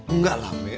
enggak lah mi